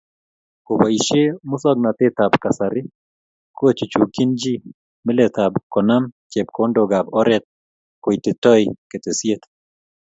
Koboisye musoknatetab kasari, kochuchukchini chi mileetab konem chepkondookab oret koititoi ketesyet